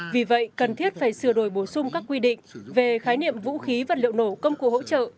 vì vậy cần thiết phải sửa đổi bổ sung các quy định về khái niệm vũ khí vật liệu nổ công cụ hỗ trợ